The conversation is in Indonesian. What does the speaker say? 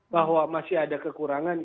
bahwa masih ada kekurangan